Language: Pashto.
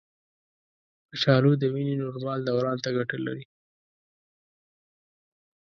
کچالو د وینې نورمال دوران ته ګټه لري.